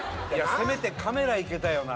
せめてカメラいけたよな